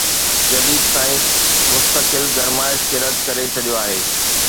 جديد سائنس مستقل گرمائش کي رد ڪري ڇڏيو آهي